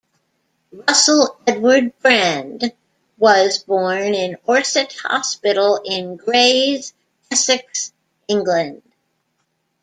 Russell Edward Brand was born in Orsett Hospital in Grays, Essex, England.